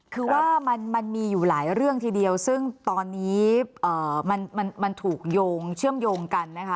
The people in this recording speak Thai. คือว่ามันมีอยู่หลายเรื่องทีเดียวซึ่งตอนนี้มันถูกโยงเชื่อมโยงกันนะคะ